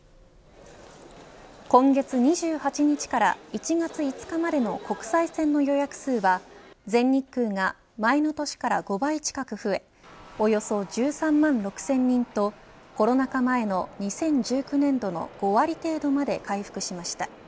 今月２８日から１月５日までの国際線の予約数は全日空が前の年から５倍近く増えおよそ１３万６０００人とコロナ禍前の２０１９年度の５割程度まで回復しました。